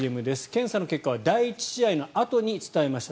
検査の結果は第１試合のあとに伝えました。